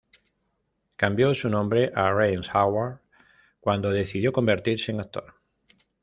Cambió su nombre a Rance Howard cuando decidió convertirse en actor.